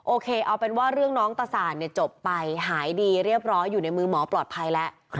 โอเคเอาเป็นว่าเรื่องน้องตะสานจบไปหายดีเรียบร้อยอยู่ในมือหมอปลอดภัยแล้ว